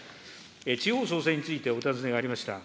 地方創生についてお尋ねがありました。